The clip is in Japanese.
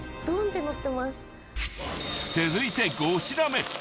続いて５品目。